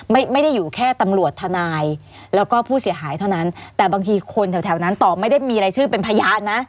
ไม่ได้อยู่แค่ตำรวจทนายแล้วก็ผู้เสียหายเท่านั้นแต่บางทีคนแถวแถวนั้นต่อไม่ได้มีรายชื่อเป็นพยานนะ